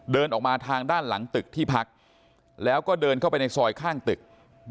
เดินออกมาทางด้านหลังตึกที่พักแล้วก็เดินเข้าไปในซอยข้างตึก